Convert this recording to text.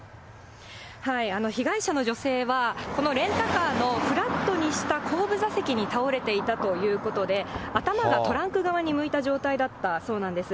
被害者の女性はこのレンタカーのフラットにした後部座席に倒れていたということで、頭がトランク側に向いた状態だったということなんです。